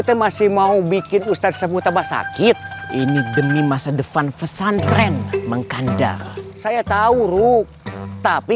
valuable bikin ustadz j trymbka sakit ini demi masa depan pesantren mengkandalkan saya tau rock tapi